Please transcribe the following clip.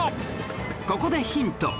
ここでヒント。